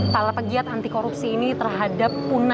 tala pegiat anti korupsi ini terhadap punahnya